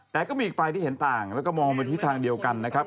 แต่ก็มีอีกฝ่ายที่เห็นต่างแล้วก็มองไปที่ทางเดียวกันนะครับ